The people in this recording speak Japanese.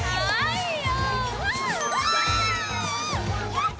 やった！